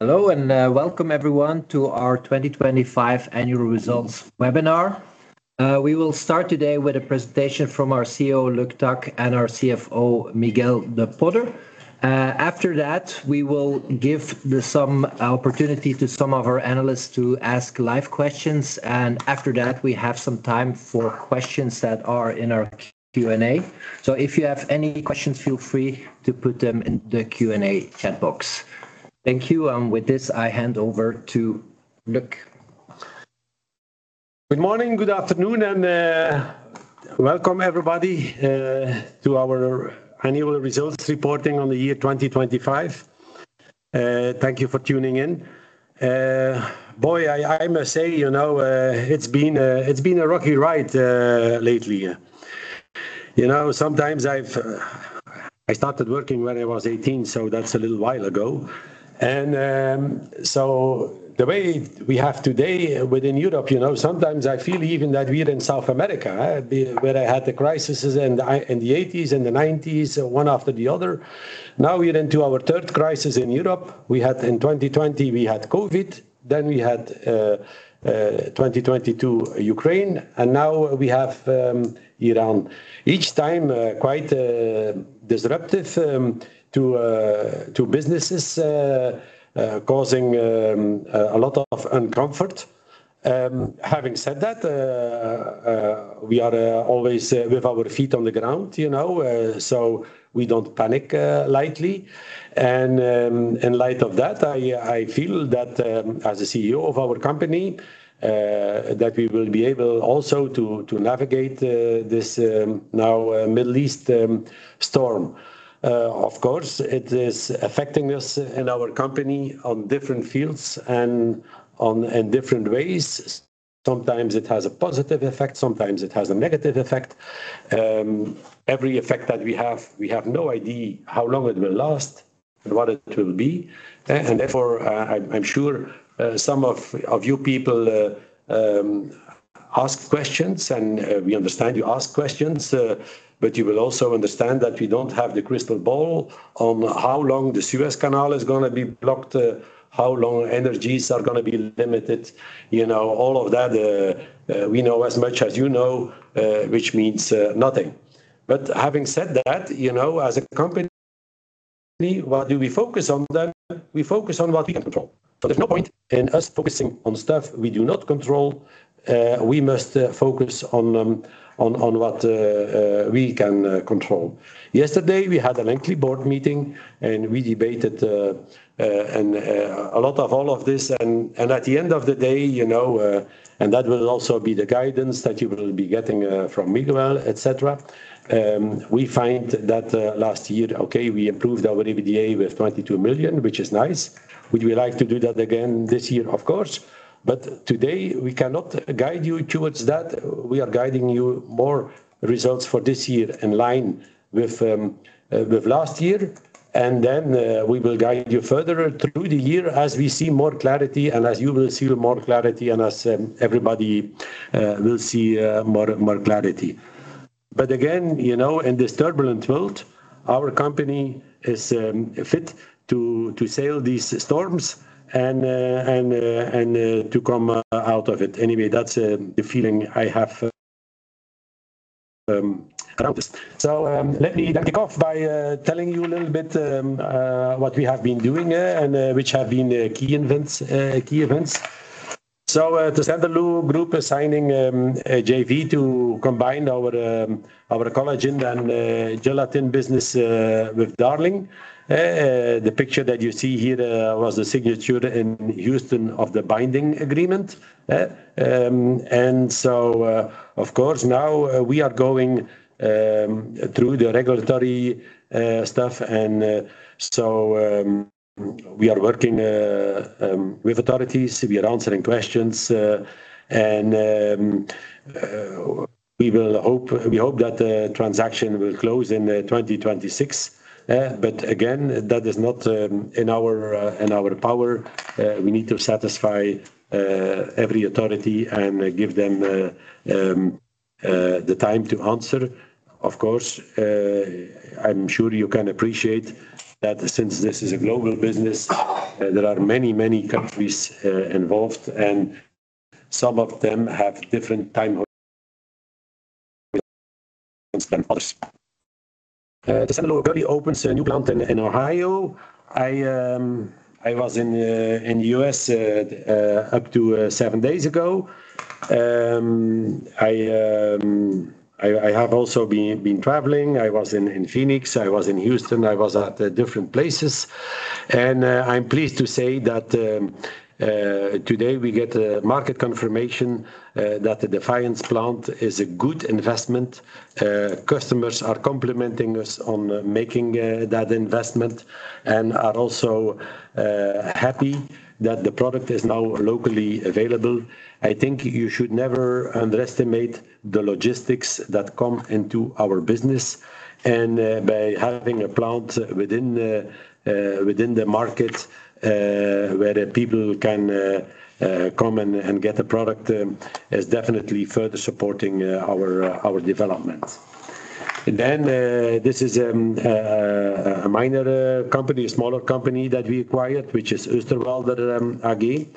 Hello, and welcome everyone to our 2025 annual results webinar. We will start today with a presentation from our CEO, Luc Tack, and our CFO, Miguel de Potter. After that, we will give some opportunity to some of our analysts to ask live questions, and after that, we have some time for questions that are in our Q&A. If you have any questions, feel free to put them in the Q&A chat box. Thank you. With this, I hand over to Luc. Good morning, good afternoon, and welcome everybody to our annual results reporting on the year 2025. Thank you for tuning in. Boy, I must say, you know, it's been a rocky ride lately. You know, sometimes I started working when I was 18, so that's a little while ago. So the way we have today within Europe, you know, sometimes I feel even that we're in South America, where I had the crises in the 1980s and the 1990s, one after the other. Now we're into our third crisis in Europe. In 2020, we had COVID, then we had 2022 Ukraine, and now we have Iran. Each time, quite disruptive to businesses, causing a lot of discomfort. Having said that, we are always with our feet on the ground, you know, so we don't panic lightly. In light of that, I feel that as a CEO of our company, that we will be able also to navigate this now Middle East storm. Of course, it is affecting us and our company on different fields and in different ways. Sometimes it has a positive effect, sometimes it has a negative effect. Every effect that we have, we have no idea how long it will last and what it will be. Therefore, I'm sure some of you people ask questions and we understand you ask questions, but you will also understand that we don't have the crystal ball on how long the Suez Canal is gonna be blocked, how long energies are gonna be limited. You know, all of that, we know as much as you know, which means nothing. Having said that, you know, as a company, what do we focus on then? We focus on what we can control. There's no point in us focusing on stuff we do not control. We must focus on what we can control. Yesterday, we had a monthly board meeting, and we debated and a lot of all of this. At the end of the day, you know, and that will also be the guidance that you will be getting from Miguel, et cetera, we find that last year we improved our EBITDA with 22 million, which is nice. Would we like to do that again this year? Of course. Today, we cannot guide you towards that. We are guiding you more results for this year in line with with last year. Then we will guide you further through the year as we see more clarity and as you will see more clarity and as everybody will see more clarity. Again, you know, in this turbulent world, our company is fit to sail these storms and to come out of it. Anyway, that's the feeling I have about this. Let me kick off by telling you a little bit what we have been doing and which have been key events. Tessenderlo Group is signing a JV to combine our collagen and gelatin business with Darling. The picture that you see here was the signature in Houston of the binding agreement. Of course, now we are going through the regulatory stuff and we are working with authorities. We are answering questions and we hope that the transaction will close in 2026. Again, that is not in our power. We need to satisfy every authority and give them the time to answer. Of course, I'm sure you can appreciate that since this is a global business, there are many, many countries involved, and some of them have different time horizons than others. Tessenderlo already opens a new plant in Ohio. I was in the U.S. up to seven days ago. I have also been traveling. I was in Phoenix. I was in Houston. I was at different places. I'm pleased to say that today we get a market confirmation that the Defiance plant is a good investment. Customers are complimenting us on making that investment and are also happy that the product is now locally available. I think you should never underestimate the logistics that come into our business. By having a plant within the market where people can come and get a product is definitely further supporting our development. This is a minor company, a smaller company that we acquired, which is Osterwalder AG.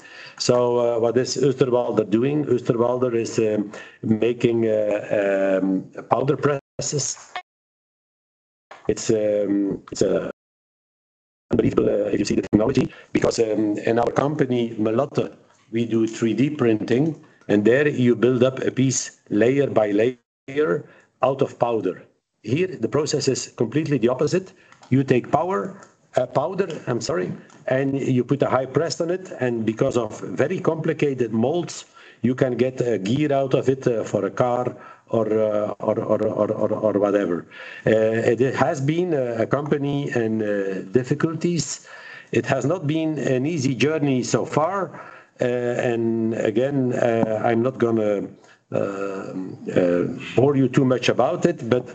What is Osterwalder doing? Osterwalder is making powder presses. It's unbelievable if you see the technology, because in our company, Melotte, we do 3D printing, and there you build up a piece layer by layer out of powder. Here, the process is completely the opposite. You take powder, I'm sorry, and you put a high press on it, and because of very complicated molds, you can get a gear out of it for a car or whatever. It has been a company in difficulties. It has not been an easy journey so far. Again, I'm not gonna bore you too much about it, but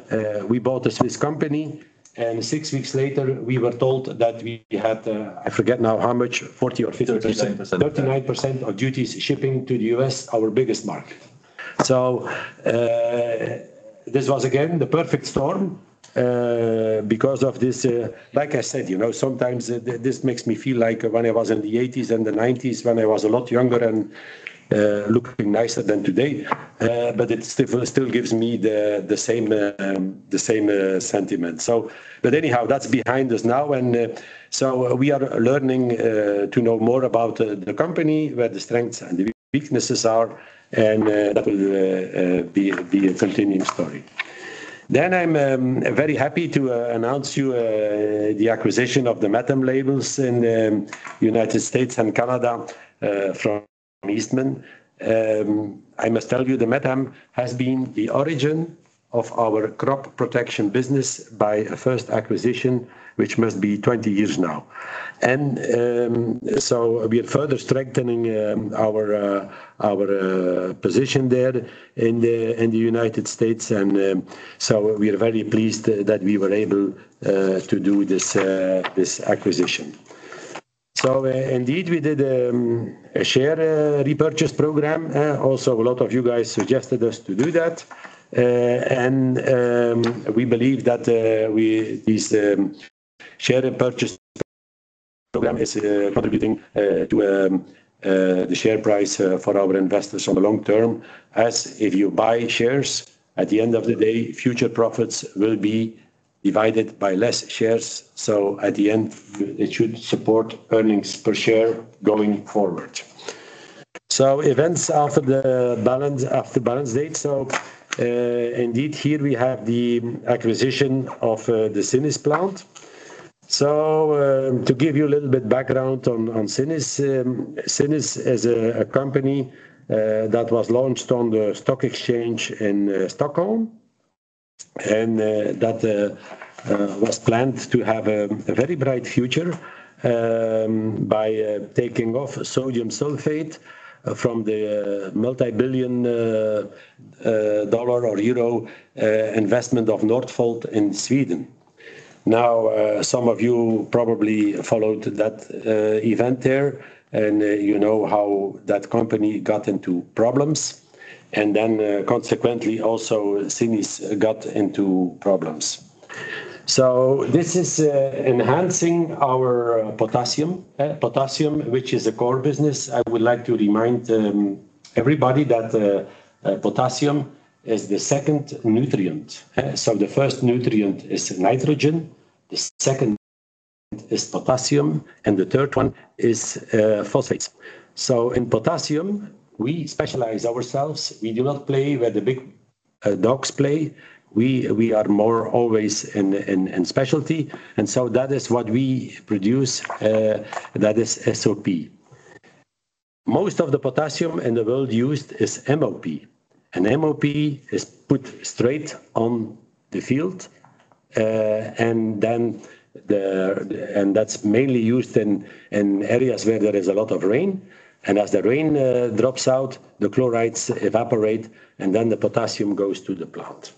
we bought a Swiss company, and six weeks later, we were told that we had, I forget now how much, 40% or 50%. 39%. 39% of duties shipping to the U.S., our biggest market. This was again the perfect storm. Because of this, like I said, you know, sometimes this makes me feel like when I was in the 1980s and the 1990s, when I was a lot younger and looking nicer than today. But it still gives me the same sentiment. Anyhow, that's behind us now. We are learning to know more about the company, where the strengths and the weaknesses are, and that will be a continuing story. I'm very happy to announce to you the acquisition of the Metam labels in United States and Canada from Eastman. I must tell you, the Metam has been the origin of our crop protection business by a first acquisition, which must be 20 years now. We are further strengthening our position there in the United States. We are very pleased that we were able to do this acquisition. Indeed, we did a share repurchase program. Also a lot of you guys suggested us to do that. We believe that this share repurchase program is contributing to the share price for our investors on the long term, as if you buy shares, at the end of the day, future profits will be divided by less shares. At the end, it should support earnings per share going forward. Events after the balance date. Indeed, here we have the acquisition of the Cinis plant. To give you a little bit background on Cinis. Cinis is a company that was launched on the stock exchange in Stockholm, and that was planned to have a very bright future by taking off sodium sulfate from the multibillion dollar or euro investment of Northvolt in Sweden. Some of you probably followed that event there, and you know how that company got into problems, and then consequently also Cinis got into problems. This is enhancing our potassium, which is a core business. I would like to remind everybody that potassium is the second nutrient. The first nutrient is nitrogen, the second is potassium, and the third one is phosphates. In potassium, we specialize ourselves. We do not play where the big dogs play. We are more always in specialty. That is what we produce. That is SOP. Most of the potassium in the world used is MOP, and MOP is put straight on the field. That's mainly used in areas where there is a lot of rain. As the rain drops out, the chlorides evaporate, and then the potassium goes to the plant.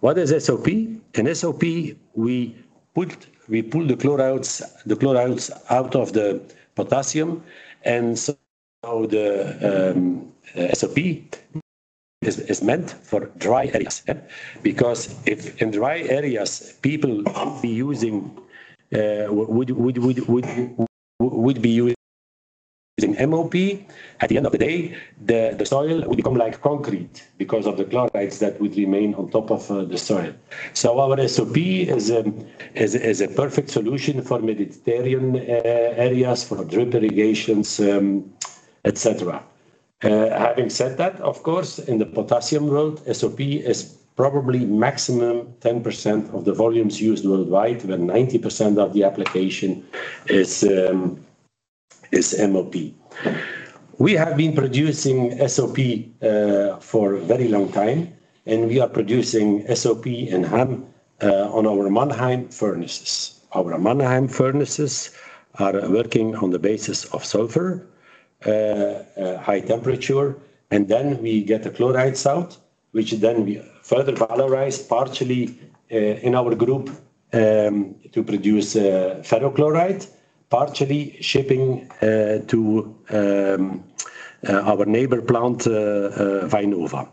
What is SOP? In SOP, we put we pull the chlorides out of the potassium. SOP is meant for dry areas. Because if in dry areas people would be using MOP, at the end of the day, the soil would become like concrete because of the chlorides that would remain on top of the soil. Our SOP is a perfect solution for Mediterranean areas, for drip irrigation, et cetera. Having said that, of course, in the potassium world, SOP is probably maximum 10% of the volumes used worldwide, where 90% of the application is MOP. We have been producing SOP for a very long time, and we are producing SOP in Ham on our Mannheim furnaces. Our Mannheim furnaces are working on the basis of sulfur, high temperature, and then we get the chlorides out, which then we further valorize partially in our group to produce ferric chloride, partially shipping to our neighbor plant, Vynova.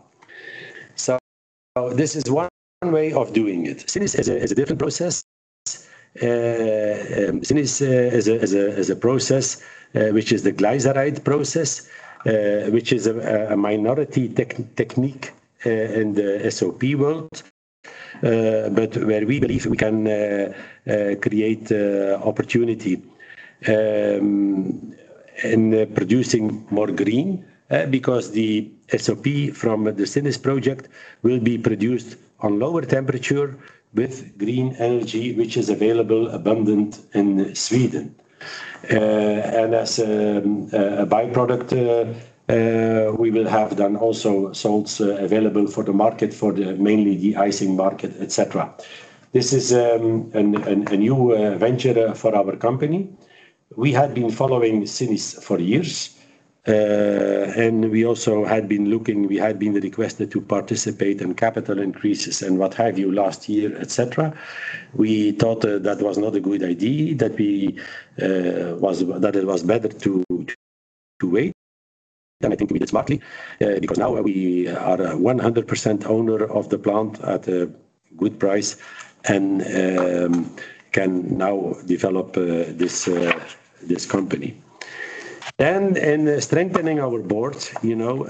This is one way of doing it. Cinis is a different process. Cinis is a process which is the Glaserite process, which is a minority technique in the SOP world where we believe we can create opportunity in producing more green because the SOP from the Cinis project will be produced on lower temperature with green energy, which is available abundant in Sweden. As a byproduct, we will have then also salts available for the market, mainly the icing market, et cetera. This is a new venture for our company. We had been following Cinis for years. We also had been requested to participate in capital increases and what have you last year, et cetera. We thought that was not a good idea, that it was better to wait. I think we did smartly, because now we are 100% owner of the plant at a good price and can now develop this company. In strengthening our board, you know,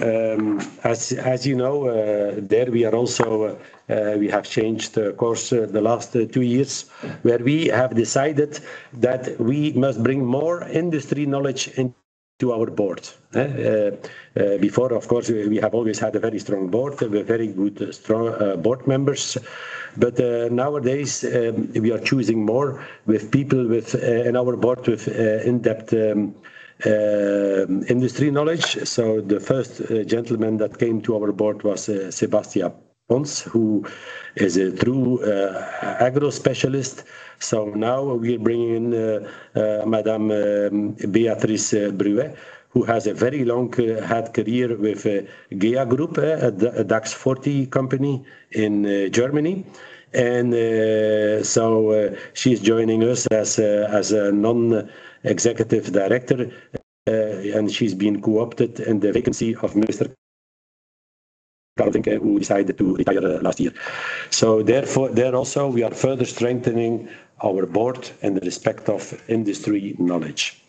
we have changed course the last two years, where we have decided that we must bring more industry knowledge into our board. Before, of course, we have always had a very strong board with very good, strong board members. Nowadays, we are choosing more people with in-depth industry knowledge in our board. The first gentleman that came to our board was Sebastià Pons, who is a true agro specialist. Now we are bringing in Béatrice de Taisne, who has a very long-held career with GEA Group, a DAX 40 company in Germany. She's joining us as a non-executive director. She's been co-opted in the vacancy of Mr. Kaltenegger, who decided to retire last year. There also, we are further strengthening our board in the respect of industry knowledge.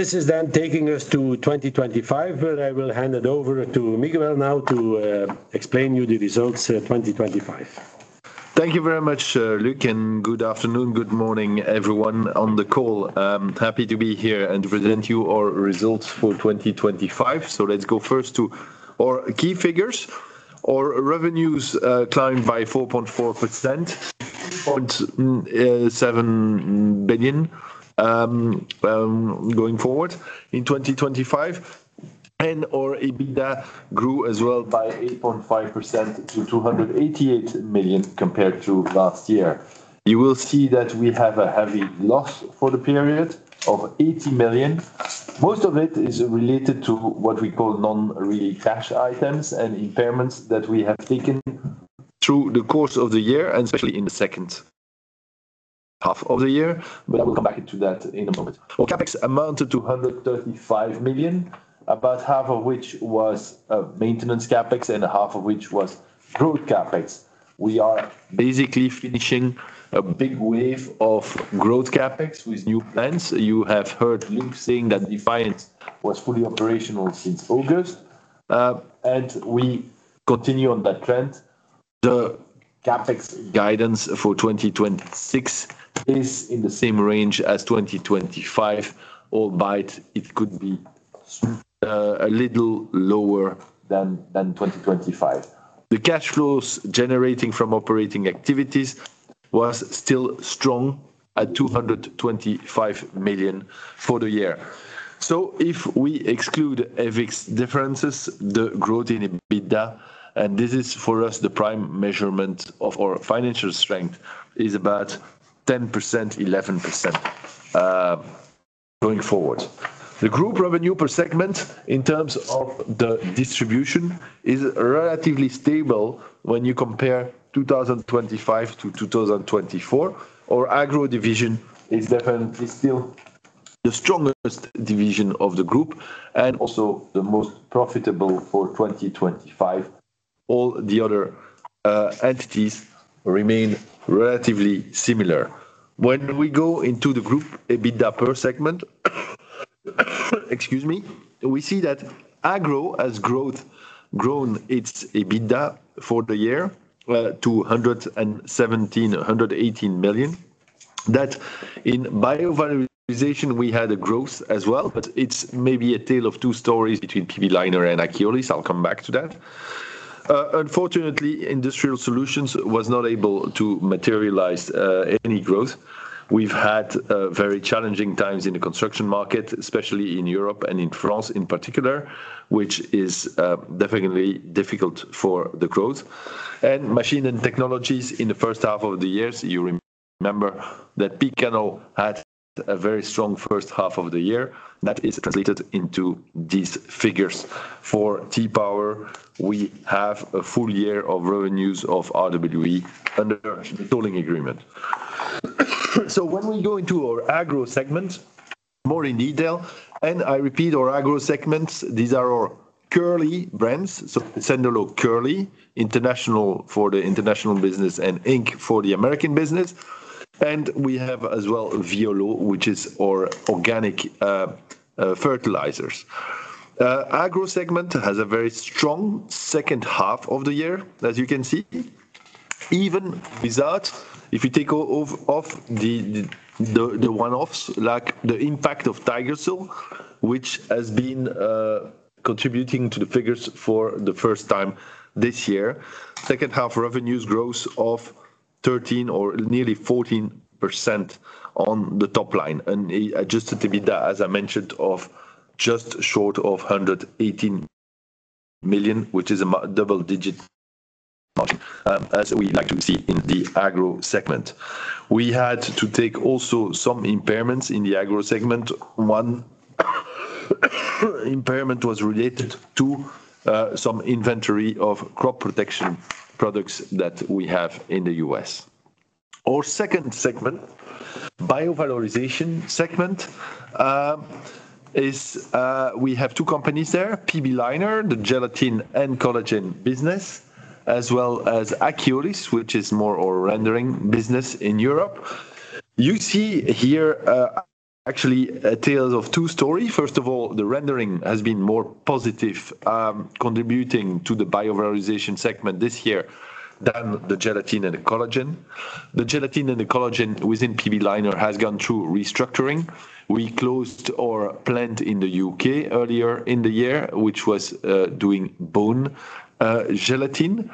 This is then taking us to 2025, where I will hand it over to Miguel now to explain to you the results, 2025. Thank you very much, Luc, and good afternoon, good morning, everyone on the call. I'm happy to be here and present you our results for 2025. Let's go first to our key figures. Our revenues climbed by 4.4% to 1.7 billion going forward in 2025. Our EBITDA grew as well by 8.5% to 288 million compared to last year. You will see that we have a heavy loss for the period of 80 million. Most of it is related to what we call non-recurring cash items and impairments that we have taken through the course of the year, and especially in the second half of the year. I will come back to that in a moment. Our CapEx amounted to 135 million, about half of which was maintenance CapEx and half of which was growth CapEx. We are basically finishing a big wave of growth CapEx with new plants. You have heard Luc saying that Defiance was fully operational since August, and we continue on that trend. The CapEx guidance for 2026 is in the same range as 2025, albeit it could be a little lower than 2025. The cash flows generating from operating activities was still strong at 225 million for the year. If we exclude FX differences, the growth in EBITDA, and this is for us the prime measurement of our financial strength, is about 10%, 11% going forward. The group revenue per segment in terms of the distribution is relatively stable when you compare 2025 to 2024. Our Agro division is definitely still the strongest division of the group and also the most profitable for 2025. All the other entities remain relatively similar. When we go into the group EBITDA per segment, excuse me, we see that Agro has grown its EBITDA for the year to 117-118 million. That in Bio-valorization we had a growth as well, but it's maybe a tale of two stories between PB Leiner and Akiolis. I'll come back to that. Unfortunately, Industrial Solutions was not able to materialize any growth. We've had very challenging times in the construction market, especially in Europe and in France in particular, which is definitely difficult for the growth. Machines & Technologies in the first half of the year, you remember that Picanol had a very strong first half of the year. That is translated into these figures. For T-Power, we have a full year of revenues of RWE under a tolling agreement. When we go into our Agro segment more in detail, I repeat, our Agro segments, these are our Kerley brands. Tessenderlo Kerley international for the international business, and Inc. for the American business. We have as well Violleau, which is our organic fertilizers. Agro segment has a very strong second half of the year, as you can see. Even without, if you take off the one-offs, like the impact of Cinis, which has been contributing to the figures for the first time this year. Second-half revenues growth of 13% or nearly 14% on the top line. Adjusted EBITDA, as I mentioned, of just short of 118 million, which is a double-digit margin, as we like to see in the Agro segment. We had to take also some impairments in the Agro segment. One impairment was related to some inventory of crop protection products that we have in the U.S. Our second segment, Bio-valorization segment, we have two companies there, PB Leiner, the gelatin and collagen business, as well as Akiolis, which is more our rendering business in Europe. You see here, actually, a tale of two stories. First of all, the rendering has been more positive, contributing to the Bio-valorization segment this year than the gelatin and the collagen. The gelatin and the collagen within PB Leiner have gone through restructuring. We closed our plant in the U.K. earlier in the year, which was doing bone gelatin.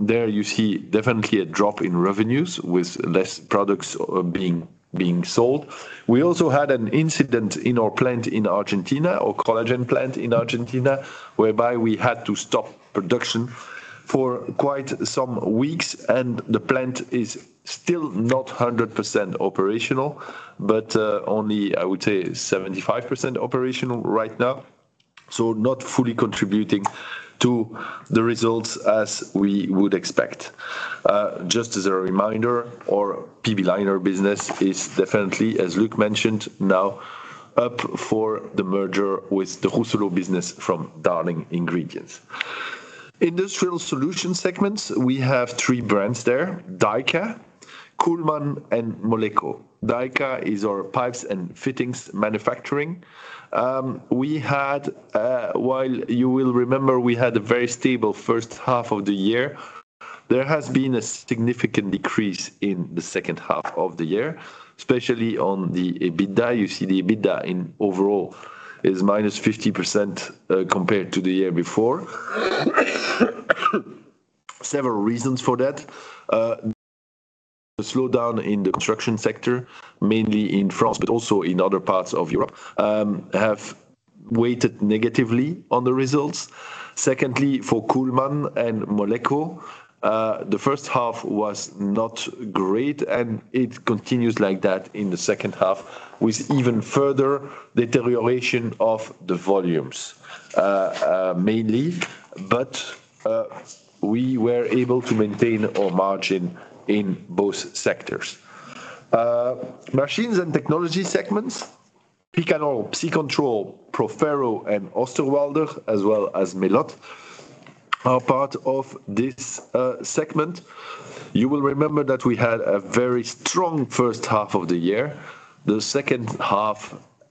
There you see definitely a drop in revenues with less products being sold. We also had an incident in our plant in Argentina, our collagen plant in Argentina, whereby we had to stop production for quite some weeks, and the plant is still not 100% operational, but only, I would say, 75% operational right now. Not fully contributing to the results as we would expect. Just as a reminder, our PB Leiner business is definitely, as Luc mentioned, now up for the merger with the Rousselot business from Darling Ingredients. Industrial Solutions segments, we have three brands there, Dyka, Kuhlmann Europe, and Moleko. Dyka is our pipes and fittings manufacturing. While you will remember, we had a very stable first half of the year. There has been a significant decrease in the second half of the year, especially on the EBITDA. You see the EBITDA overall is minus 50%, compared to the year before. Several reasons for that. The slowdown in the construction sector, mainly in France, but also in other parts of Europe, have weighed negatively on the results. Secondly, for Kuhlmann and Moleko, the first half was not great, and it continues like that in the second half with even further deterioration of the volumes, mainly. We were able to maintain our margin in both sectors. Machines & Technologies segments, Picanol, Psicontrol, Proferro, and Osterwalder, as well as Melotte, are part of this segment. You will remember that we had a very strong first half of the year. The second half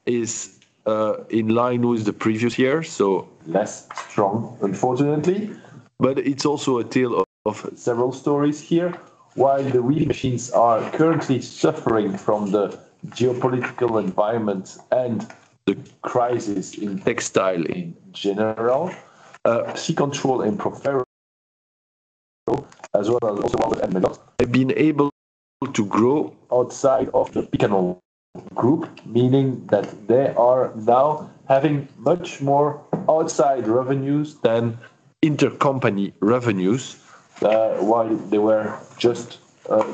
is in line with the previous year, so less strong, unfortunately. It's also a tale of several stories here. While the weaving machines are currently suffering from the geopolitical environment and the crisis in textile in general, Psicontrol and Proferro, as well as Osterwalder and Melotte, have been able to grow outside of the Picanol Group, meaning that they are now having much more outside revenues than intercompany revenues, while they were just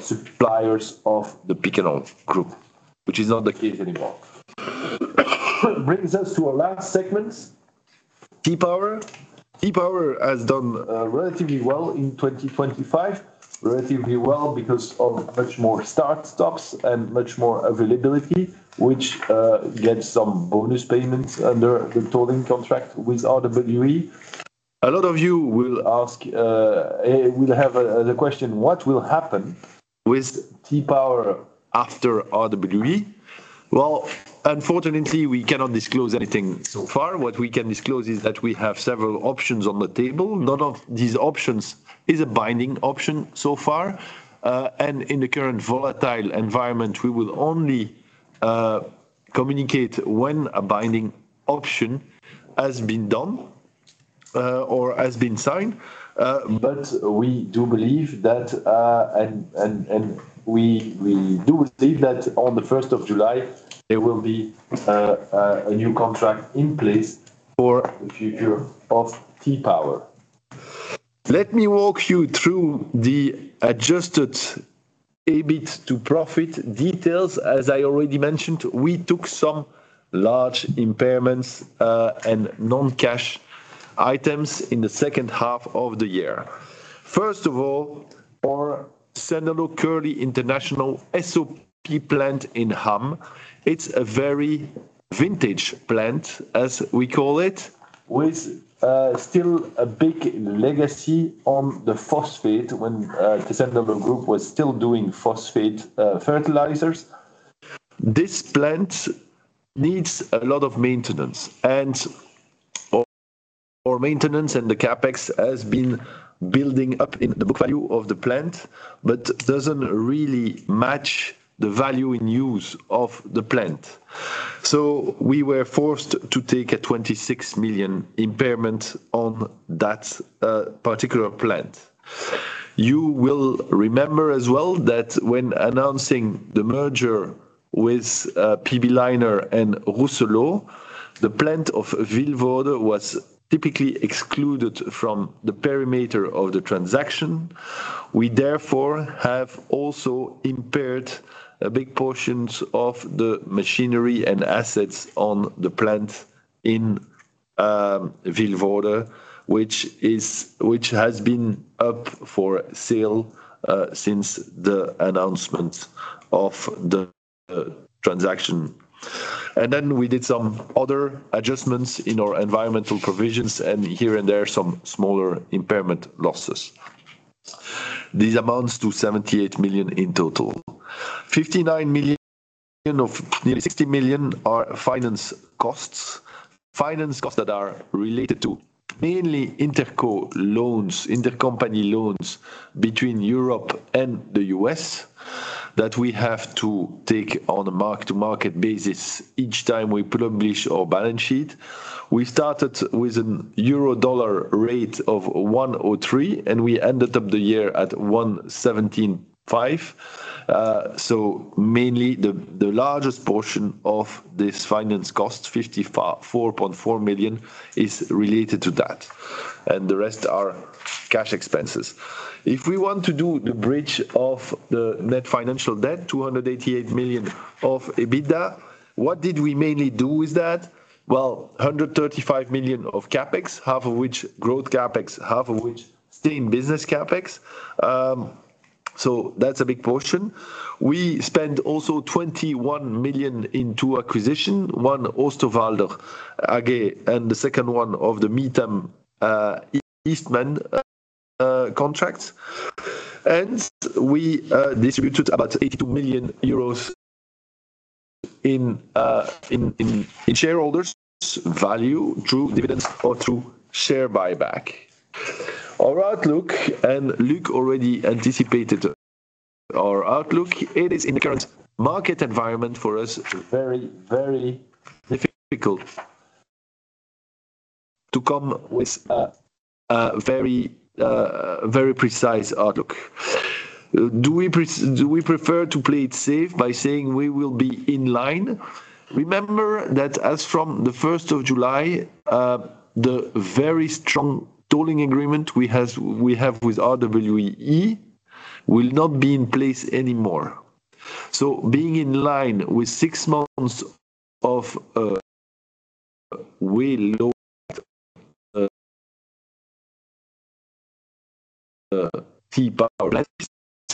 suppliers of the Picanol Group, which is not the case anymore. Brings us to our last segment, T-Power. T-Power has done relatively well in 2025. Relatively well because of much more start stops and much more availability, which gets some bonus payments under the tolling contract with RWE. A lot of you will ask the question: What will happen with T-Power after RWE? Well, unfortunately, we cannot disclose anything so far. What we can disclose is that we have several options on the table. None of these options is a binding option so far. In the current volatile environment, we will only communicate when a binding option has been done or has been signed. We do believe that on the first of July, there will be a new contract in place for the future of T-Power. Let me walk you through the adjusted EBIT to profit details. As I already mentioned, we took some large impairments and non-cash items in the second half of the year. First of all, our Tessenderlo Kerley International SOP plant in Ham, it's a very vintage plant, as we call it, with still a big legacy on the phosphate when the Tessenderlo Group was still doing phosphate fertilizers. This plant needs a lot of maintenance and our maintenance and the CapEx has been building up in the book value of the plant, but doesn't really match the value in use of the plant. We were forced to take a 26 million impairment on that particular plant. You will remember as well that when announcing the merger with PB Leiner and Rousselot, the plant of Vilvoorde was typically excluded from the perimeter of the transaction. We therefore have also impaired a big portions of the machinery and assets on the plant in Vilvoorde, which is. which has been up for sale since the announcement of the transaction. Then we did some other adjustments in our environmental provisions, and here and there, some smaller impairment losses. These amount to 78 million in total. 59 million, nearly 60 million are finance costs. Finance costs that are related to mainly interco loans, intercompany loans between Europe and the U.S., that we have to take on a mark-to-market basis each time we publish our balance sheet. We started with an euro-dollar rate of 1.03, and we ended up the year at 1.175. So mainly the largest portion of this finance cost, 54.4 million, is related to that, and the rest are cash expenses. If we want to do the bridge of the net financial debt, 288 million of EBITDA, what did we mainly do with that? 135 million of CapEx, half of which growth CapEx, half of which stay in business CapEx. So that's a big portion. We also spent 21 million in two acquisitions, one Osterwalder AG, and the second one of the Metam, Eastman, contract. We distributed about 82 million euros in shareholder value through dividends or through share buyback. Our outlook, Luc already anticipated our outlook. It is in the current market environment for us very difficult to come with a very precise outlook. Do we prefer to play it safe by saying we will be in line? Remember that as from the first of July, the very strong tolling agreement we have with RWE will not be in place anymore. Being in line with six months of way lowered T-Power left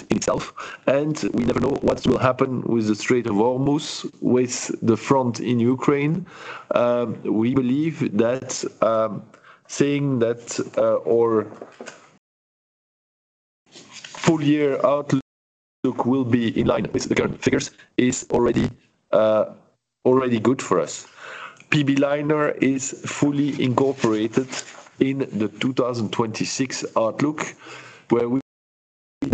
itself, and we never know what will happen with the Strait of Hormuz, with the front in Ukraine, we believe that saying that our full year outlook will be in line with the current figures is already good for us. PB Leiner is fully incorporated in the 2026 outlook, where we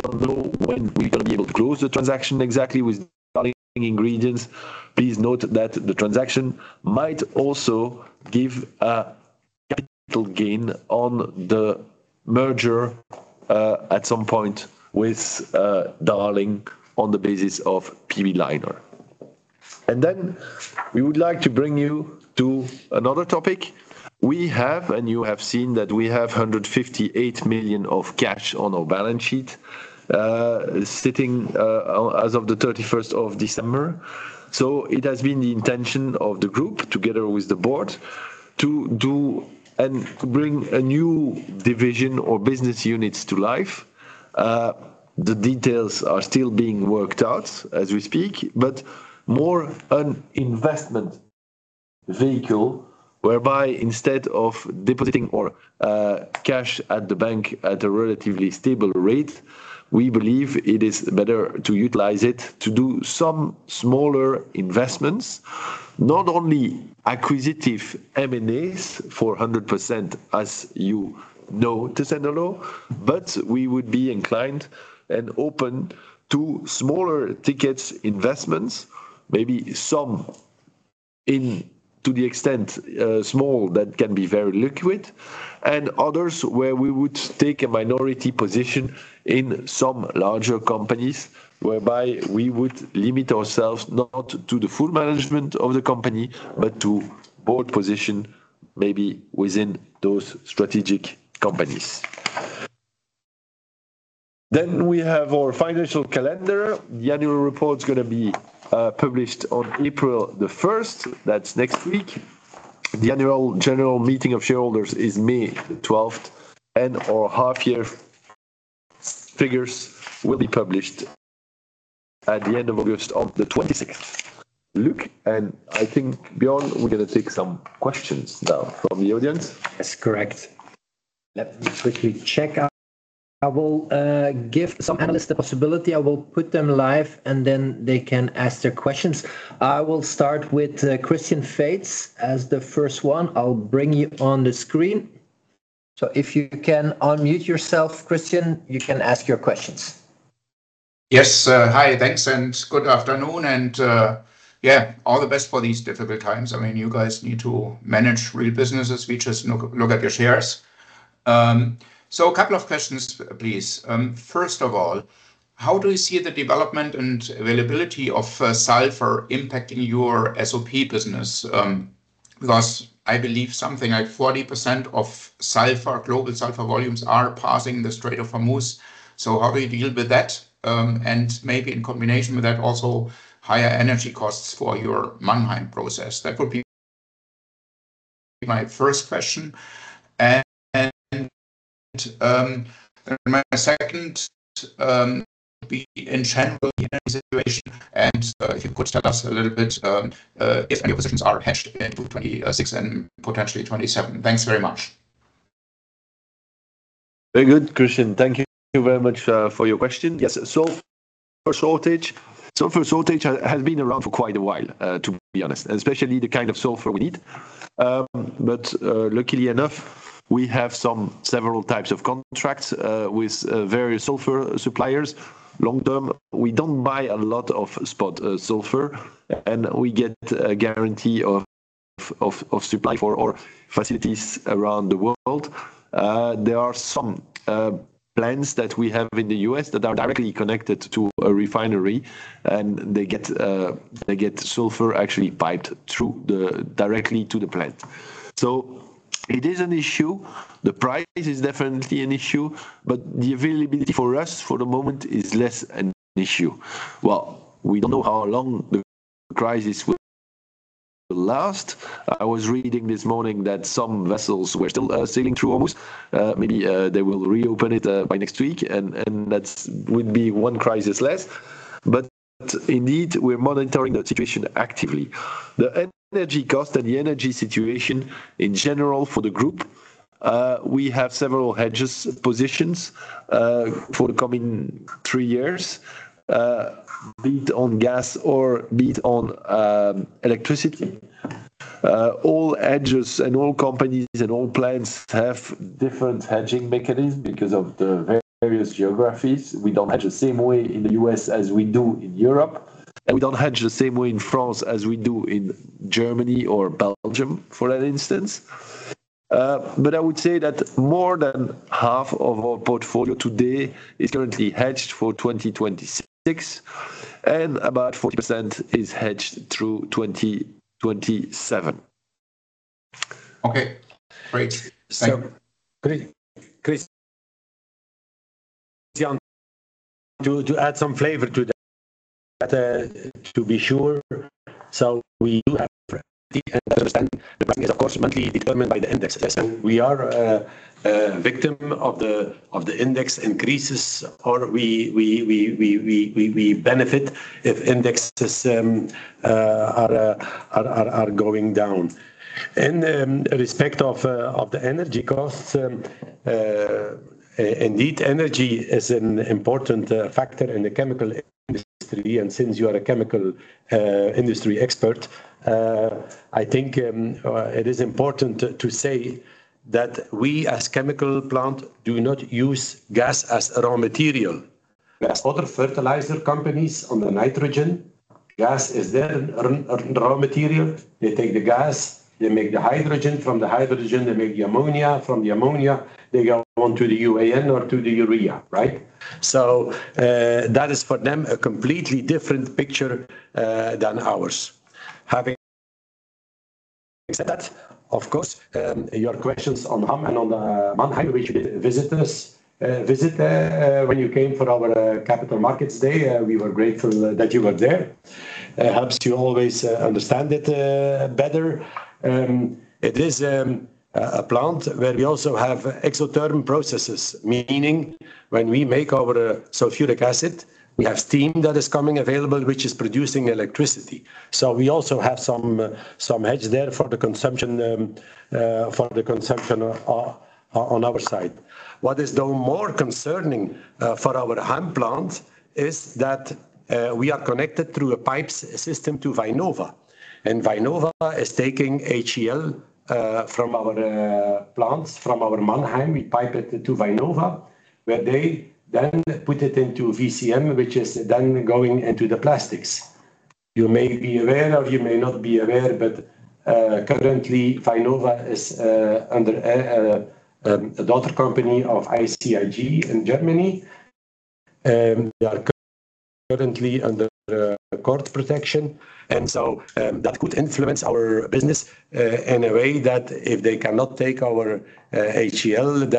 don't know when we will be able to close the transaction exactly with Darling Ingredients. Please note that the transaction might also give a capital gain on the merger, at some point with Darling on the basis of PB Leiner. We would like to bring you to another topic. We have, and you have seen that we have 158 million of cash on our balance sheet, sitting, as of the thirty-first of December. It has been the intention of the group, together with the board, to do and bring a new division or business units to life. The details are still being worked out as we speak, but more an investment vehicle whereby instead of depositing our, cash at the bank at a relatively stable rate, we believe it is better to utilize it to do some smaller investments. Not only acquisitive M&As for 100%, as you know, Tessenderlo, but we would be inclined and open to smaller ticket investments, maybe some into the extent, small that can be very liquid, and others where we would take a minority position in some larger companies, whereby we would limit ourselves not to the full management of the company, but to board position maybe within those strategic companies. We have our financial calendar. The annual report is gonna be published on April 1st. That's next week. The annual general meeting of shareholders is May 12th, and our half year figures will be published at the end of August on the 26th. Luc, and I think, Björn, we're gonna take some questions now from the audience. That's correct. Let me quickly check. I will give some analysts the possibility. I will put them live, and then they can ask their questions. I will start with Christian Faitz as the first one. I'll bring you on the screen. If you can unmute yourself, Christian, you can ask your questions. Yes. Hi. Thanks, and good afternoon. Yeah, all the best for these difficult times. I mean, you guys need to manage real businesses. We just look at your shares. A couple of questions, please. First of all, how do you see the development and availability of sulfur impacting your SOP business, because I believe something like 40% of global sulfur volumes are passing the Strait of Hormuz? How do you deal with that, maybe in combination with that also higher energy costs for your Mannheim process? That would be my first question. My second question would be the energy situation in general, and if you could tell us a little bit if your positions are hedged into 2026 and potentially 2027. Thanks very much. Very good, Christian. Thank you very much for your question. Yes. For sulfur shortage, sulfur shortage has been around for quite a while, to be honest, especially the kind of sulfur we need. Luckily enough, we have several types of contracts with various sulfur suppliers long-term. We don't buy a lot of spot sulfur, and we get a guarantee of supply for our facilities around the world. There are some plants that we have in the U.S. that are directly connected to a refinery, and they get sulfur actually piped directly to the plant. It is an issue. The price is definitely an issue, but the availability for us for the moment is less an issue. Well, we don't know how long the crisis will last. I was reading this morning that some vessels were still sailing through Hormuz. Maybe they will reopen it by next week. That would be one crisis less. Indeed, we're monitoring the situation actively. The energy cost and the energy situation in general for the group, we have several hedge positions for the coming three years, be it on gas or be it on electricity. All hedges and all companies and all plants have different hedging mechanisms because of the various geographies. We don't hedge the same way in the U.S. as we do in Europe. We don't hedge the same way in France as we do in Germany or Belgium, for instance. I would say that more than half of our portfolio today is currently hedged for 2026, and about 40% is hedged through 2027. Okay, great. Thank you. Christian, to add some flavor to that, to be sure. We do have understanding the pricing is of course monthly determined by the index. We are a victim of the index increases or we benefit if indexes are going down. In respect of the energy costs, indeed energy is an important factor in the chemical industry. Since you are a chemical industry expert, I think it is important to say that we, as chemical plant, do not use gas as raw material. Whereas other fertilizer companies on the nitrogen, gas is their raw material. They take the gas, they make the hydrogen. From the hydrogen, they make the ammonia. From the ammonia, they go on to the UAN or to the urea, right? That is for them a completely different picture than ours. Having said that, of course, your questions on Ham and on Mannheim, which you did visit when you came for our Capital Markets Day, we were grateful that you were there. It helps to always understand it better. It is a plant where we also have exothermic processes, meaning when we make our sulfuric acid, we have steam that is coming available, which is producing electricity. We also have some hedge there for the consumption on our side. What is, though, more concerning for our Ham plant is that we are connected through a pipes system to Vynova, and Vynova is taking HCl from our plants, from our Mannheim. We pipe it to Vynova, where they then put it into VCM, which is then going into the plastics. You may be aware or you may not be aware, but currently Vynova is under a daughter company of ICIG in Germany. They are cur- Currently under court protection. That could influence our business in a way that if they cannot take our HCl,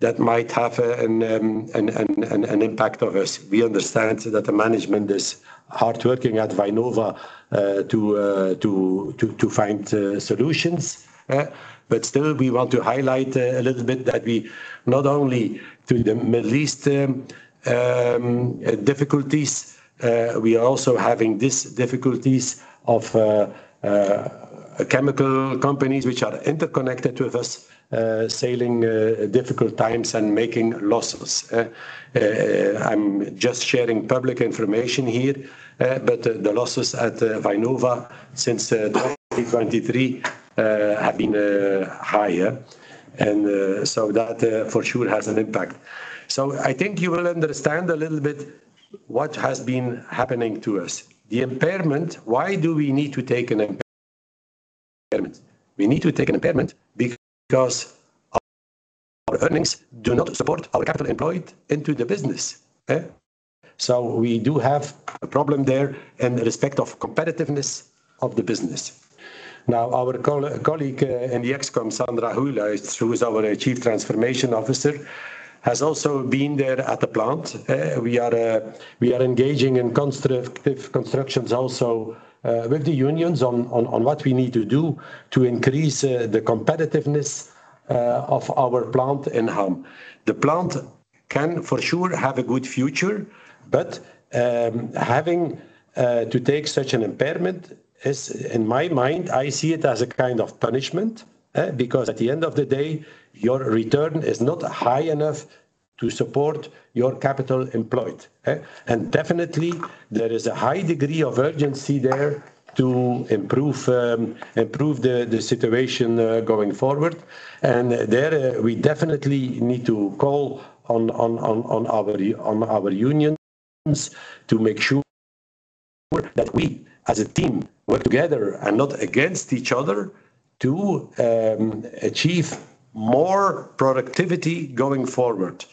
that might have an impact on us. We understand that the management is hard working at Vynova to find solutions, but still we want to highlight a little bit that we not only through the Middle East difficulties, we are also having these difficulties of chemical companies which are interconnected with us facing difficult times and making losses. I'm just sharing public information here, but the losses at Vynova since 2023 have been higher, and so that for sure has an impact. I think you will understand a little bit what has been happening to us. The impairment. Why do we need to take an impairment? We need to take an impairment because our earnings do not support our capital employed into the business. We do have a problem there in respect of competitiveness of the business. Now, our colleague in the ExCom, Sandra Hoeylaerts, who is our Chief Transformation Officer, has also been there at the plant. We are engaging in constructive discussions also with the unions on what we need to do to increase the competitiveness of our plant in Ham. The plant can for sure have a good future, but having to take such an impairment is, in my mind, I see it as a kind of punishment. Because at the end of the day, your return is not high enough to support your capital employed. Definitely there is a high degree of urgency there to improve the situation going forward. There we definitely need to call on our unions to make sure that we as a team work together and not against each other to achieve more productivity going forward.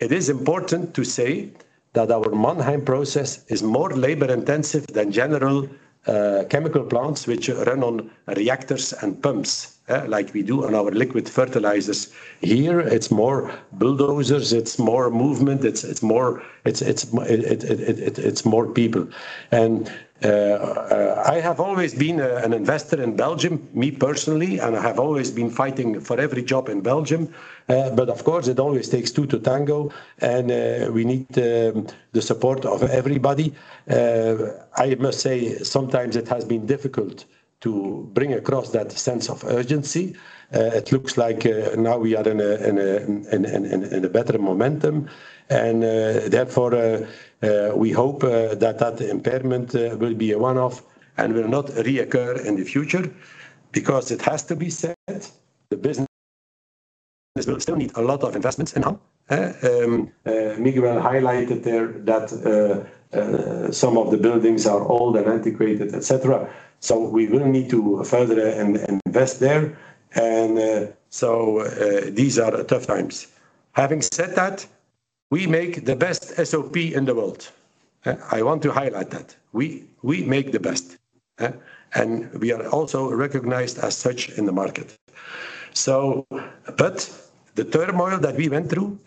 It is important to say that our Mannheim process is more labor-intensive than general chemical plants which run on reactors and pumps like we do on our liquid fertilizers. Here it's more bulldozers, it's more movement, it's more people. I have always been an investor in Belgium, me personally, and I have always been fighting for every job in Belgium. But of course, it always takes two to tango, and we need the support of everybody. I must say, sometimes it has been difficult to bring across that sense of urgency. It looks like now we are in a better momentum. Therefore, we hope that impairment will be a one-off and will not reoccur in the future. Because it has to be said, the business will still need a lot of investments in Ham. Miguel highlighted there that some of the buildings are old and antiquated, et cetera, so we will need to further invest there. These are tough times. Having said that, we make the best SOP in the world. I want to highlight that. We make the best. We are also recognized as such in the market. The turmoil that we went through,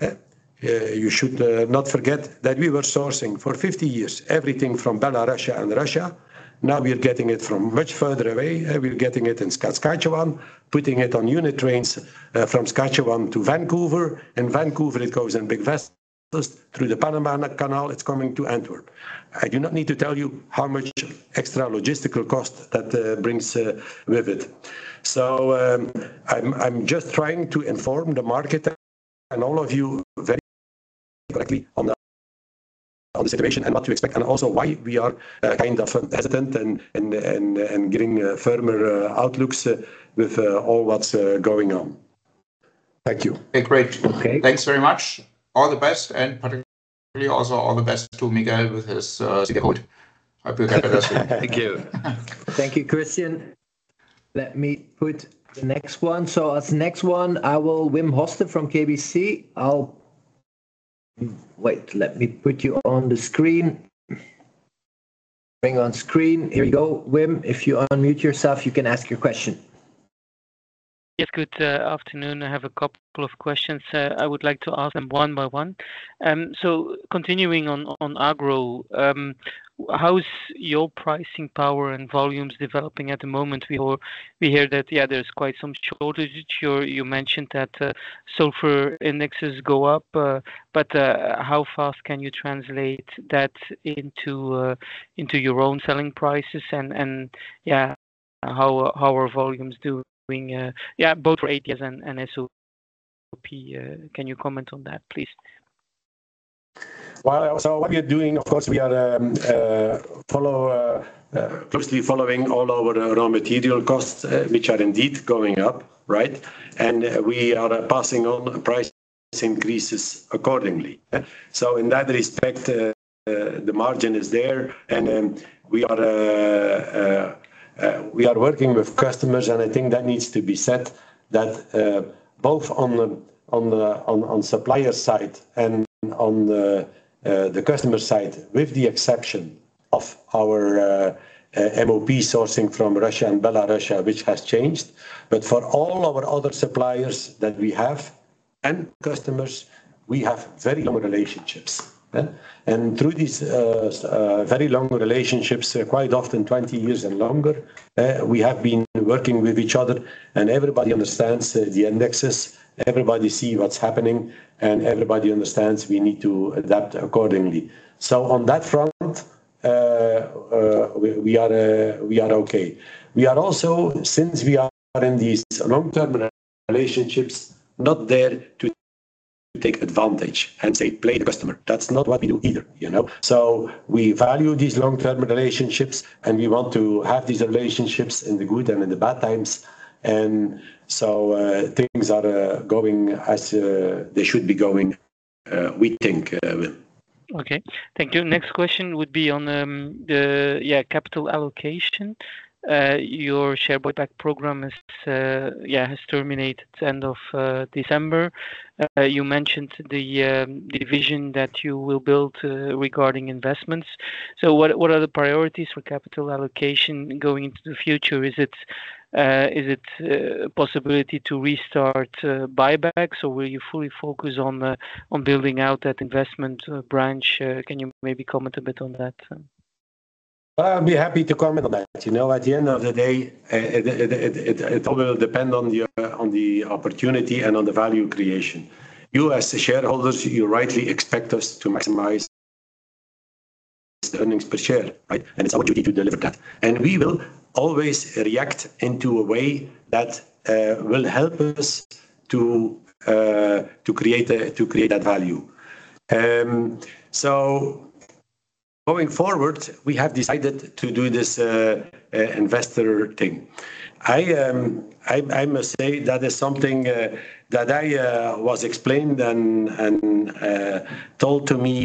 you should not forget that we were sourcing for 50 years everything from Belarus and Russia. Now we are getting it from much further away. We're getting it in Saskatchewan, putting it on unit trains from Saskatchewan to Vancouver. In Vancouver, it goes in big vessels through the Panama Canal. It's coming to Antwerp. I do not need to tell you how much extra logistical cost that brings with it. I'm just trying to inform the market and all of you very directly on the situation and what to expect and also why we are kind of hesitant and giving firmer outlooks with all what's going on. Thank you. Great. Okay. Thanks very much. All the best, and particularly also all the best to Miguel with his sick note. I hope you get better soon. Thank you. Thank you, Christian. Let me put the next one. The next one, Wim Hoste from KBC. Wait, let me put you on the screen. Bring on screen. Here we go. Wim, if you unmute yourself, you can ask your question. Yes. Good afternoon. I have a couple of questions I would like to ask them one by one. Continuing on Agro, how's your pricing power and volumes developing at the moment? We hear that yeah there's quite some shortage. You mentioned that sulfur indexes go up. But how fast can you translate that into your own selling prices? And yeah how are volumes doing? Yeah both for KTS and SOP. Can you comment on that please? Well, what we are doing, of course, we are following closely all our raw material costs, which are indeed going up, right? We are passing on price increases accordingly. In that respect, the margin is there. We are working with customers, and I think that needs to be said that both on the supplier side and on the customer side, with the exception of our MOP sourcing from Russia and Belarus, which has changed. For all our other suppliers that we have and customers, we have very long relationships. Through these very long relationships, quite often 20 years and longer, we have been working with each other, and everybody understands the indexes, everybody see what's happening, and everybody understands we need to adapt accordingly. On that front, we are okay. We are also, since we are in these long-term relationships, not there to take advantage and say, "Play the customer." That's not what we do either, you know. We value these long-term relationships, and we want to have these relationships in the good and in the bad times. Things are going as they should be going, we think, I mean. Okay. Thank you. Next question would be on the capital allocation. Your share buyback program has terminated end of December. You mentioned the vision that you will build regarding investments. What are the priorities for capital allocation going into the future? Is it a possibility to restart buybacks? Or will you fully focus on building out that investment branch? Can you maybe comment a bit on that? Well, I'll be happy to comment on that. You know, at the end of the day, it all will depend on the opportunity and on the value creation. You as the shareholders, you rightly expect us to maximize the earnings per share, right? It's our duty to deliver that. We will always react in a way that will help us to create that value. So going forward, we have decided to do this investor thing. I must say that is something that I was explained and told to me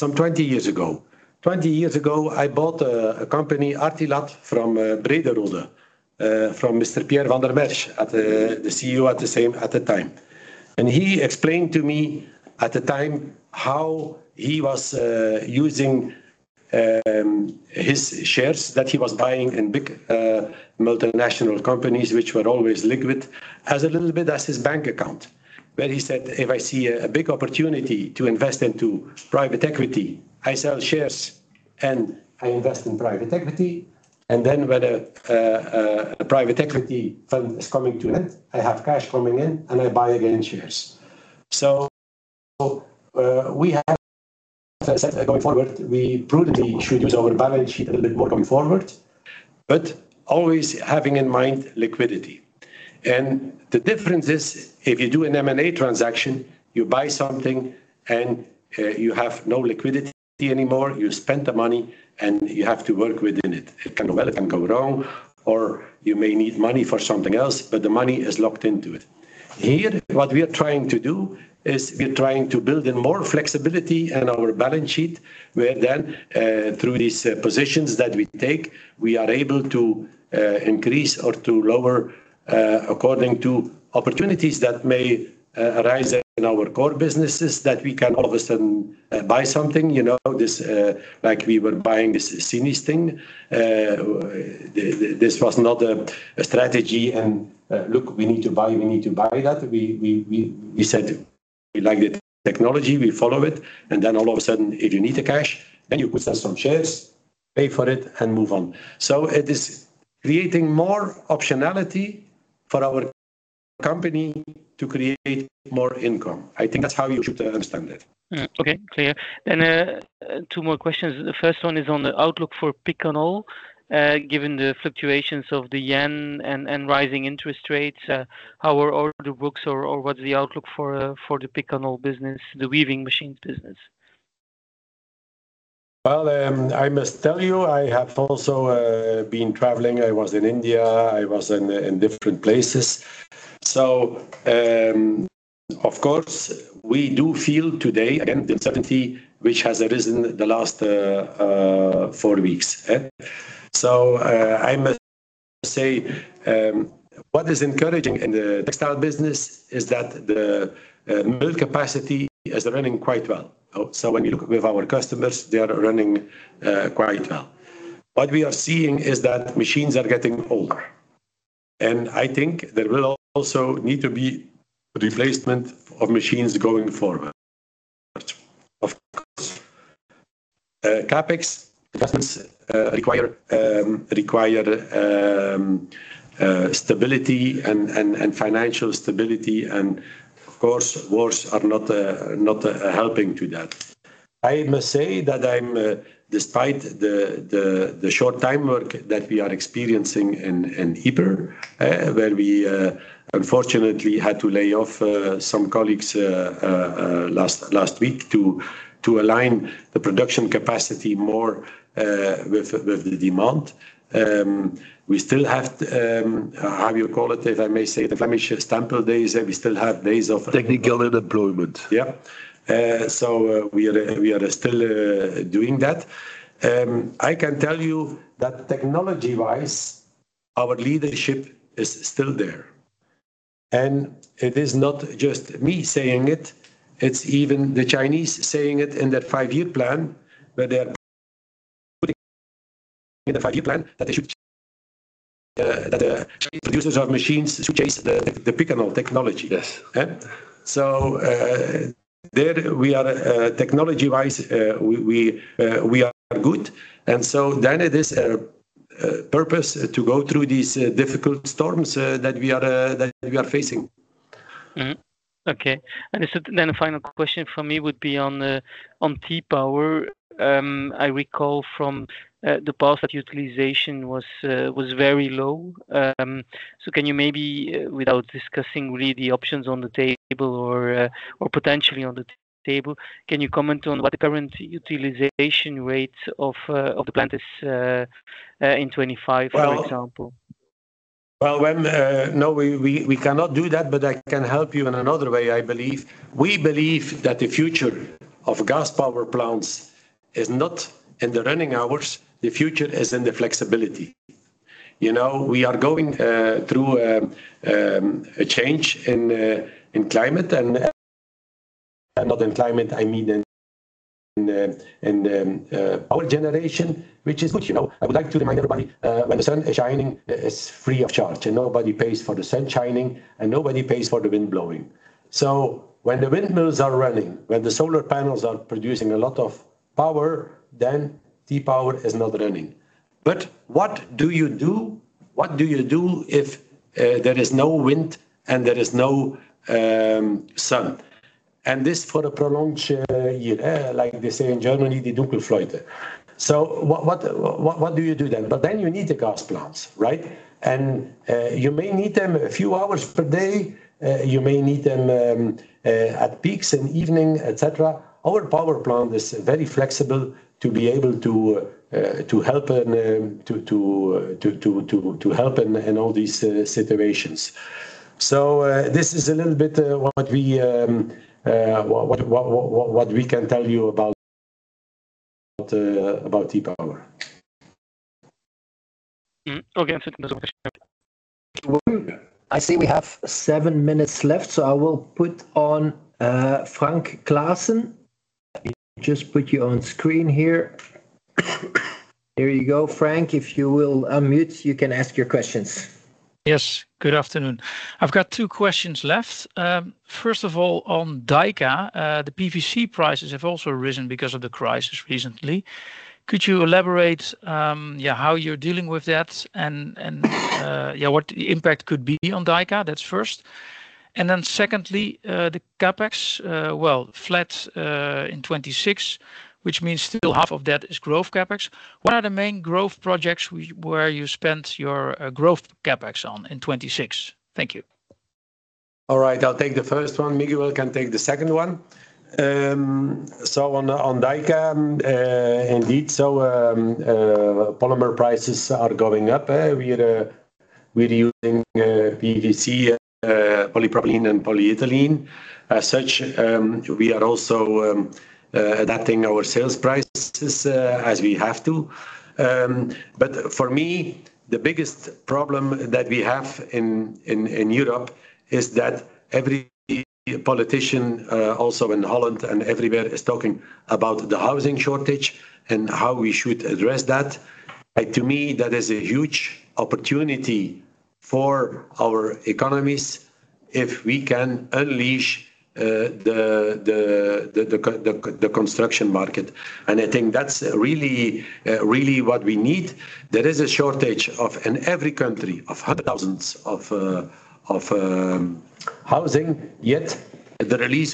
some 20 years ago. 20 years ago, I bought a company, Artilat, from Brederode, from Mr. Pierre van der Mersch, the CEO at the time. He explained to me at the time how he was using his shares that he was buying in big multinational companies, which were always liquid, as a little bit as his bank account. Where he said, "If I see a big opportunity to invest into private equity, I sell shares, and I invest in private equity. And then when a private equity fund is coming to end, I have cash coming in, and I buy again shares." We have, as I said, going forward, we prudently should use our balance sheet a little bit more going forward, but always having in mind liquidity. The difference is if you do an M&A transaction, you buy something, and you have no liquidity anymore. You spent the money, and you have to work within it. Well, it can go wrong, or you may need money for something else, but the money is locked into it. Here, what we are trying to do is build in more flexibility in our balance sheet, where then, through these positions that we take, we are able to increase or to lower according to opportunities that may arise in our core businesses that we can all of a sudden buy something. You know, this, like we were buying this Cinis thing. This was not a strategy and, look, we need to buy that. We said we like the technology, we follow it, and then all of a sudden, if you need the cash, then you could sell some shares, pay for it, and move on. It is creating more optionality for our company to create more income. I think that's how you should understand it. Okay. Clear. Two more questions. The first one is on the outlook for Picanol. Given the fluctuations of the yen and rising interest rates, how are order books or what is the outlook for the Picanol business, the weaving machines business? Well, I must tell you, I have also been traveling. I was in India. I was in different places. Of course, we do feel today, again, the uncertainty which has arisen the last four weeks. I must say, what is encouraging in the textile business is that the mill capacity is running quite well. When you look with our customers, they are running quite well. What we are seeing is that machines are getting older, and I think there will also need to be replacement of machines going forward. Of course, CapEx doesn't require stability and financial stability and, of course, wars are not helping to that. I must say that despite the short time work that we are experiencing in Ypres, where we unfortunately had to lay off some colleagues last week to align the production capacity more with the demand. We still have, how you call it? If I may say the Flemish stamp of days, we still have days of technical unemployment. We are still doing that. I can tell you that technology-wise, our leadership is still there. It is not just me saying it's even the Chinese saying it in their five-year plan, where they are putting in the five-year plan that the Chinese producers of machines should chase the Picanol technology. Yes. There we are, technology-wise, we are good. It is a purpose to go through these difficult storms that we are facing. Okay. A final question from me would be on T-Power. I recall from the past that utilization was very low. Can you maybe, without discussing really the options on the table or potentially on the table, comment on what the current utilization rate of the plant is in 2025, for example? Well, no, we cannot do that, but I can help you in another way, I believe. We believe that the future of gas power plants is not in the running hours, the future is in the flexibility. You know, we are going through a change in climate and not in climate, I mean in power generation, which is good. You know, I would like to remind everybody when the sun is shining, it's free of charge, and nobody pays for the sun shining, and nobody pays for the wind blowing. When the windmills are running, when the solar panels are producing a lot of power, then T-Power is not running. What do you do? What do you do if there is no wind and there is no sun? This for a prolonged year, like they say in Germany, die Dunkelflaute. What do you do then? You need the gas plants, right? You may need them a few hours per day, you may need them at peaks in evening, et cetera. Our power plant is very flexible to be able to help in all these situations. This is a little bit what we can tell you about T-Power. Mm-hmm. Okay. That's it with the questions. Well, I see we have seven minutes left, so I will put on Frank Claassen. Let me just put you on screen here. There you go, Frank. If you will unmute, you can ask your questions. Yes. Good afternoon. I've got two questions left. First of all, on Dyka, the PVC prices have also risen because of the crisis recently. Could you elaborate how you're dealing with that and what the impact could be on Dyka? That's first. Secondly, the CapEx, well, flat, in 2026, which means still half of that is growth CapEx. What are the main growth projects where you spent your growth CapEx on in 2026? Thank you. All right, I'll take the first one. Miguel can take the second one. On Dyka, polymer prices are going up. We're using PVC, polypropylene and polyethylene. As such, we are also adapting our sales prices as we have to. For me, the biggest problem that we have in Europe is that every politician also in Holland and everywhere is talking about the housing shortage and how we should address that. To me, that is a huge opportunity for our economies if we can unleash the construction market. I think that's really what we need. There is a shortage of hundreds of thousands of housing in every country, yet the release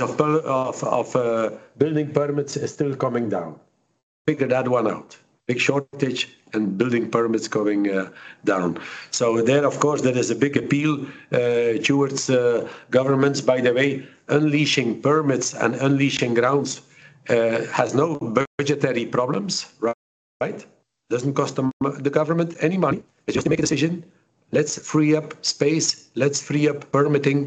of building permits is still coming down. Figure that one out. Big shortage and building permits coming down. There, of course, is a big appeal towards governments. By the way, unleashing permits and unleashing grounds has no budgetary problems, right? It doesn't cost the government any money. They just make a decision, "Let's free up space. Let's free up permitting.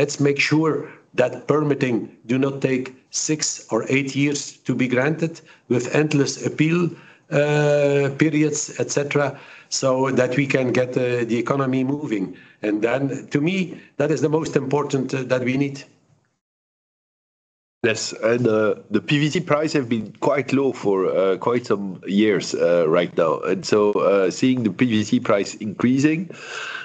Let's make sure that permitting does not take 6 or 8 years to be granted with endless appeal periods, et cetera, so that we can get the economy moving." To me, that is the most important that we need. Yes, the PVC prices have been quite low for quite some years right now. Seeing the PVC prices increasing,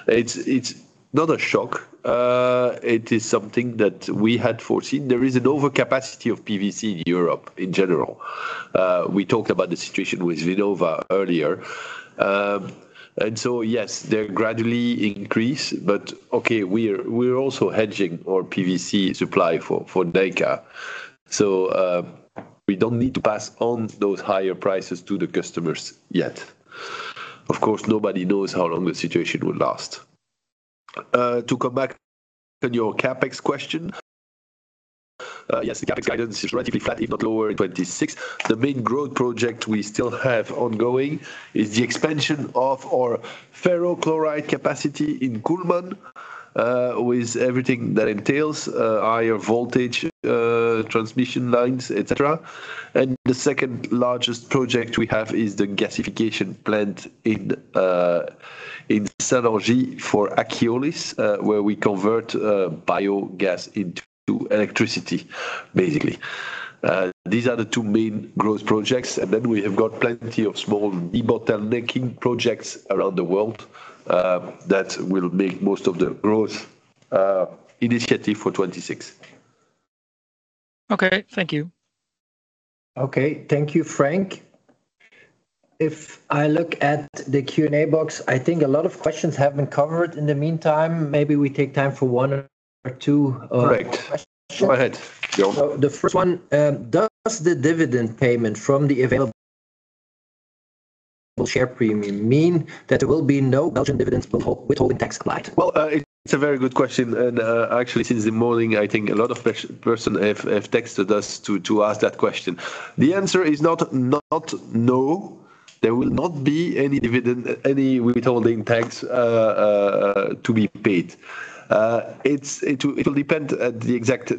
it's not a shock. It is something that we had foreseen. There is an overcapacity of PVC in Europe in general. We talked about the situation with Vynova earlier. Yes, they gradually increase, but okay, we're also hedging our PVC supply for Dyka. We don't need to pass on those higher prices to the customers yet. Of course, nobody knows how long the situation will last. To come back on your CapEx question, yes, the CapEx guidance is relatively flat, if not lower in 2026. The main growth project we still have ongoing is the expansion of our ferric chloride capacity in Kuhlmann, with everything that entails, higher voltage, transmission lines, et cetera. The second largest project we have is the gasification plant in Saint-Langis-lès-Mortagne for Akiolis, where we convert biogas into electricity, basically. These are the two main growth projects, and then we have got plenty of small debottlenecking projects around the world, that will make most of the growth, initiative for 2026. Okay. Thank you. Okay. Thank you, Frank. If I look at the Q&A box, I think a lot of questions have been covered. In the meantime, maybe we take time for one or two. Great. -questions. Go ahead, John. The first one, does the dividend payment from the available share premium mean that there will be no Belgian dividends withholding tax applied? Well, it's a very good question. Actually, since the morning, I think a lot of persons have texted us to ask that question. The answer is not no. There will not be any dividend, any withholding tax to be paid. It will depend on the exact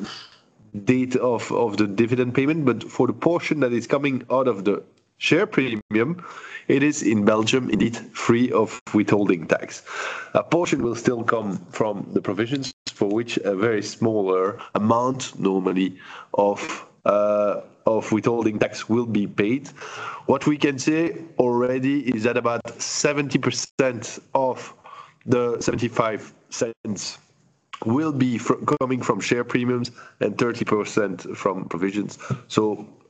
date of the dividend payment, but for the portion that is coming out of the share premium, it is in Belgium, indeed, free of withholding tax. A portion will still come from the provisions for which a very small amount normally of withholding tax will be paid. What we can say already is that about 70% of the 0.75 will be coming from share premiums and 30% from provisions.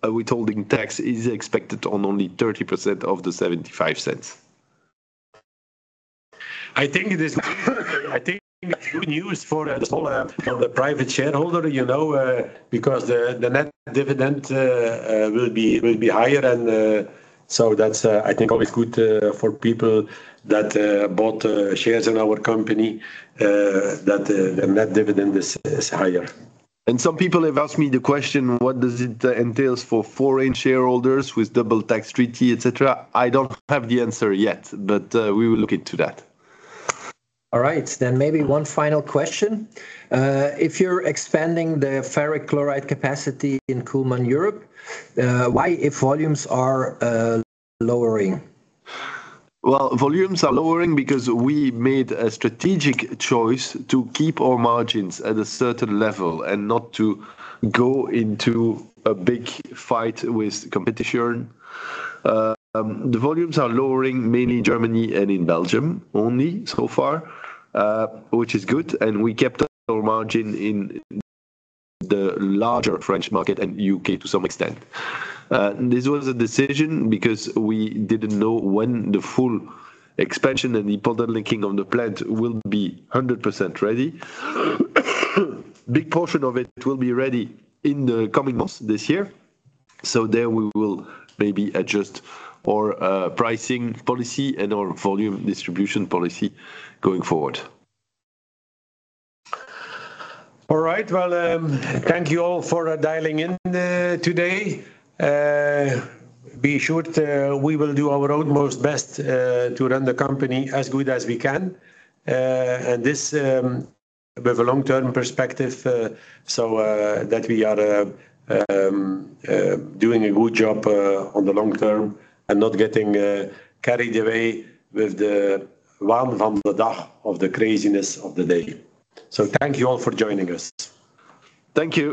A withholding tax is expected on only 30% of the 0.75. I think it is good. I think it's good news for the private shareholder, you know, because the net dividend will be higher and so that's, I think, always good for people that bought shares in our company, that a net dividend is higher. Some people have asked me the question, what does it entail for foreign shareholders with double tax treaty, etcetera? I don't have the answer yet, but we will look into that. All right. Maybe one final question. If you're expanding the ferric chloride capacity in Kuhlmann Europe, why, if volumes are lowering? Well, volumes are lowering because we made a strategic choice to keep our margins at a certain level and not to go into a big fight with competition. The volumes are lowering mainly in Germany and in Belgium only so far, which is good, and we kept our margin in the larger French market and U.K. to some extent. This was a decision because we didn't know when the full expansion and the bottlenecking on the plant will be 100% ready. Big portion of it will be ready in the coming months this year. There we will maybe adjust our pricing policy and our volume distribution policy going forward. All right. Well, thank you all for dialing in today. Be sure that we will do our utmost best to run the company as good as we can. This with a long-term perspective so that we are doing a good job on the long term and not getting carried away with the waan van de dag, of the craziness of the day. Thank you all for joining us. Thank you.